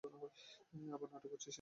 আবার নাটক করছিস, ইরফান।